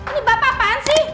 ini bapak apaan sih